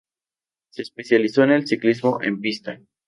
Se especializó en el ciclismo en pista.